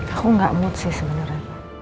aku nggak mood sih sebenernya